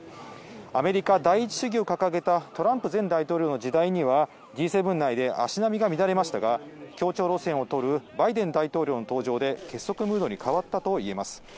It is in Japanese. アメリカ第一主義を掲げたトランプ前大統領の時代にはＧ７内で足並みが乱れましたが、協調路線を取るバイデン大統領の登場で、結束ムードに変わったと言えます。